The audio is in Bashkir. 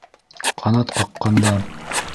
Ҡанат ҡаҡҡанда